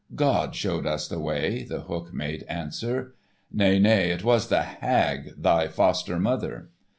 "God showed us the way," The Hook made answer. "Nay, nay, it was the hag, thy foster mother."